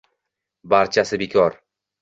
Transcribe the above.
«Barchasi bekor.